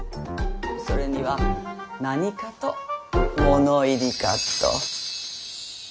それには何かと物入りかと。